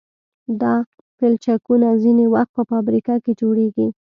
دا پلچکونه ځینې وخت په فابریکه کې جوړیږي